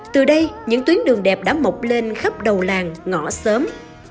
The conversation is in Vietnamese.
từ đây những tuyến đường đẹp đã mộc lên khắp đầu làng ngõ sớm